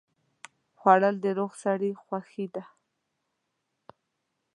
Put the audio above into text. خوړل د روغ سړي خوښي ده